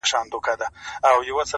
څه په کار دي حکمتونه او عقلونه،